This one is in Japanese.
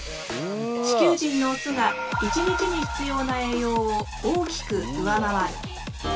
地球人のオスが１日に必要な栄養を大きく上回る。